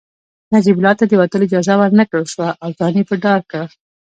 نجیب الله ته د وتلو اجازه ورنکړل شوه او ځان يې په دار کړ